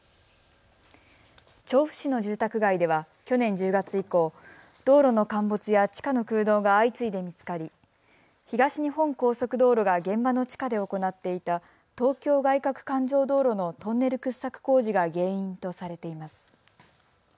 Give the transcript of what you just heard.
調布市の住宅街では去年１０月以降、道路の陥没や地下の空洞が相次いで見つかり東日本高速道路が現場の地下で行っていた東京外かく環状道路のトンネル掘削工事が原因とされています。